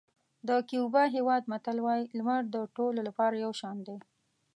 د کیوبا هېواد متل وایي لمر د ټولو لپاره یو شان دی.